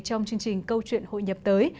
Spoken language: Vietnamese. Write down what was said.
trong chương trình câu chuyện hội nhập tới